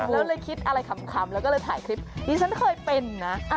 แล้วเลยคิดอะไรขำแล้วก็เลยถ่ายคลิปดิฉันเคยเป็นนะ